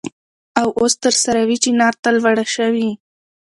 او اوس تر سروې چينار ته لوړه شوې.